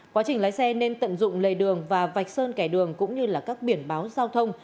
quá trình lái xe nên tận dụng lầy đường và vạch sơn kẻ đường cũng như các biển báo giao thông